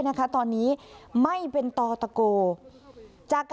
อันดับที่สุดท้าย